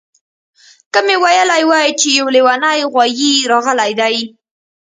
که مې ویلي وای چې یو لیونی غوایي راغلی دی